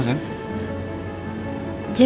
udah lama gak nanya